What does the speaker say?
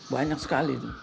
banyak sekali itu